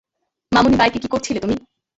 মামুনি, বাইকে কী করছিলে তুমি?